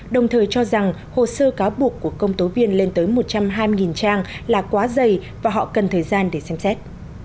đồng thời cho rằng hồ sơ cáo buộc của công tố viên lên tới một trăm hai mươi trang là quá dày và họ cần thời gian để xem xét